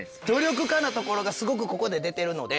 なところがすごくここで出てるので。